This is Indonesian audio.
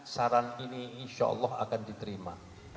saran ini insya allah akan diterima